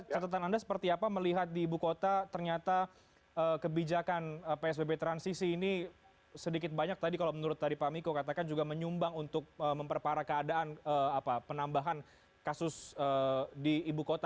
catatan anda seperti apa melihat di ibu kota ternyata kebijakan psbb transisi ini sedikit banyak tadi kalau menurut tadi pak miko katakan juga menyumbang untuk memperparah keadaan penambahan kasus di ibu kota